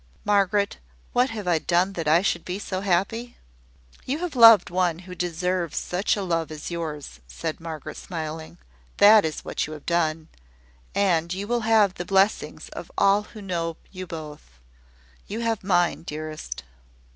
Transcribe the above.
Margaret, what have I done that I should be so happy?" "You have loved one who deserves such a love as yours," said Margaret, smiling. "That is what you have done: and you will have the blessings of all who know you both. You have mine, dearest."